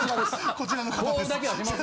こちらの方です。